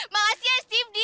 makasih ya steve di